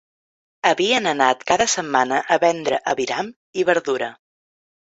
Havien anat cada setmana a vendre aviram i verdura